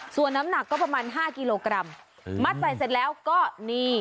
ส่วนน้ำหนักก็ประมาณ๕กิโลกรัมมัดใส่เสร็จแล้วก็นี่